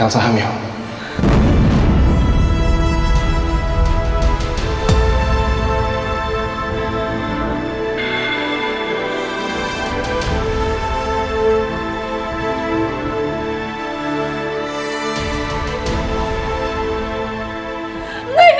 dan sebelum kejadian itu